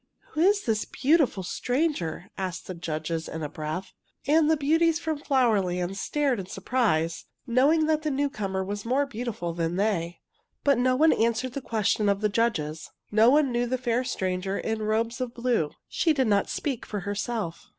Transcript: '' Who is this beautiful stranger? '' asked the judges in a breath, and the beauties from Flower Land stared in surprise, knowing that the newcomer was more beautiful than they. But no one answered the question of the judges. No one knew the fair stranger in robes of blue. She did not speak for herself.